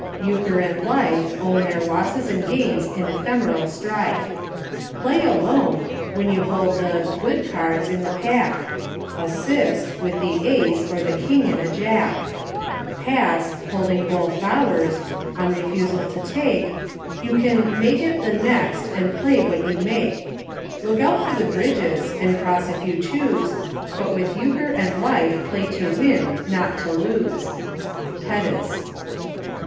" Euchre and Life Own their losses and gains in ephemeral strife. * Play alone,' when you hold the * good cards' in the pack ;* Assist,' with the Ace, or the King and a Jack. c Pass,' holding l both Bowers' — on refusal to take, Yot can * make' it i the next' and can ' play what you make f Look out for the ' bridges,' and cross if you choose, But with Euchre and Life, play to win not to lose." Pettes.